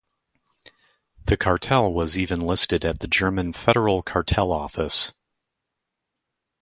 The cartel was even listed at the German Federal Cartel Office.